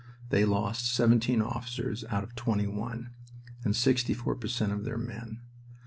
They lost seventeen officers out of twenty one, and 64 per cent of their men.